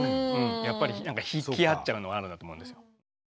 やっぱり引き合っちゃうのはあるんだと思うんですよ。